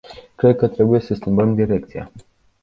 Cred că trebuie să schimbăm direcția.